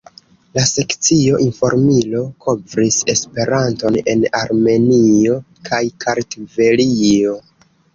La sekcio "Informilo" kovris Esperanton en Armenio kaj Kartvelio.